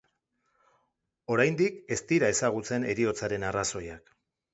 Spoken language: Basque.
Oraindik ez dira ezagutzen heriotzaren arrazoiak.